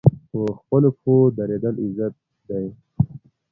په خپلو پښو دریدل عزت دی